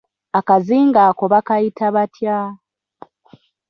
Akazinga ako bakayita batya?